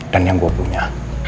dan yang gue punya